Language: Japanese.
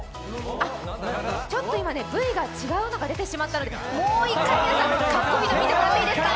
ちょっと今、Ｖが違うのが出てしまったので、もう一回、皆さん、かっこいいの見てもらっていいですか？